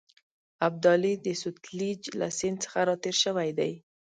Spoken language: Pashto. ابدالي د سوتلیج له سیند څخه را تېر شوی دی.